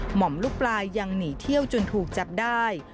หมอมลูกปลายยังหนีเที่ยวจนถูกจับได้